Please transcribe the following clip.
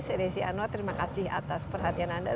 saya desi anwar terima kasih atas perhatian anda